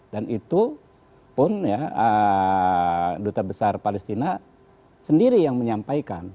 dan itu pun ya duta besar palestina sendiri yang menyampaikan